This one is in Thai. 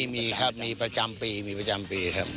อ๋อมีครับมีประจำปีครับ